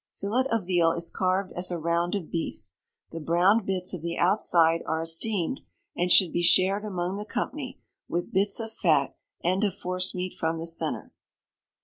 Fillet of veal is carved as a round of beef. The browned bits of the outside are esteemed, and should be shared among the company, with bits of fat, and of forcemeat from the centre.